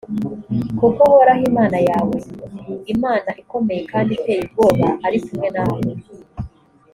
kuko uhoraho imana yawe, imana ikomeye kandi iteye ubwoba, ari kumwe nawe.